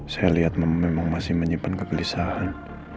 saya lihat memang masih menyimpan kegelisahan